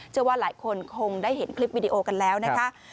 เชื่อว่าหลายคนคงได้เห็นคลิปวิดีโอกันแล้วนะคะ